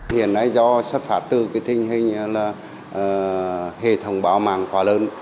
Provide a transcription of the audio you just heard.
hiện nay do sắp phá tư cái tinh hình là hệ thống báo mạng khóa lớn